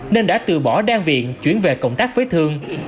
nên đã từ bỏ đan viện chuyển về cộng tác với thương